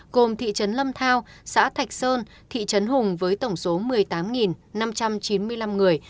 gồm thị trấn lâm thao xã thạch sơn thị trấn hùng với tổng số một mươi tám năm trăm chín mươi năm người